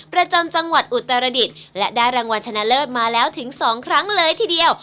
ประจำจังหวัดอุตรดิษฐ์และได้รางวัลชนะเลิศมาแล้วถึง๒ครั้งเลยทีเดียว